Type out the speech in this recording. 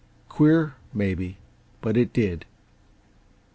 Queer, maybe but it did.